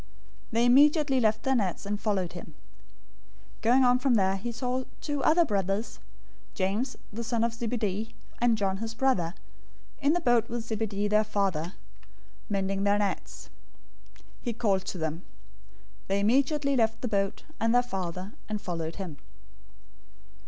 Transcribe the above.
004:020 They immediately left their nets and followed him. 004:021 Going on from there, he saw two other brothers, James the son of Zebedee, and John his brother, in the boat with Zebedee their father, mending their nets. He called them. 004:022 They immediately left the boat and their father, and followed him.